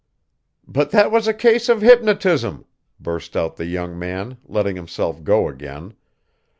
"But that was a case of hypnotism," burst out the young man, letting himself go again.